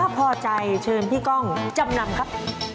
พอใจเชิญพี่ก้องจำนำครับ